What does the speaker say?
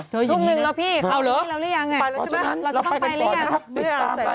เธออยู่นึงแล้วพี่อยู่นึงแล้วหรือยังไปแล้วใช่ไหมเราต้องไปแล้วใช่ไหมไม่อ่านใส่ภาพอายุเลย